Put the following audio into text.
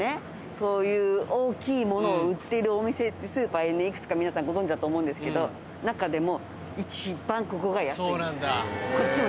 そういう大きいものを売っているお店スーパーいくつか皆さんご存じだと思うんですけど中でも。